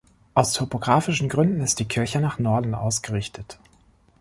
Aus topografischen Gründen ist die Kirche nach Norden ausgerichtet.